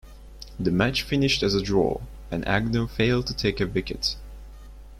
The match finished as a draw, and Agnew failed to take a wicket.